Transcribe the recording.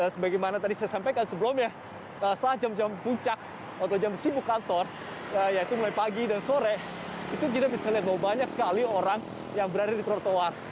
sebagaimana tadi saya sampaikan sebelumnya saat jam jam puncak atau jam sibuk kantor yaitu mulai pagi dan sore itu kita bisa lihat bahwa banyak sekali orang yang berada di trotoar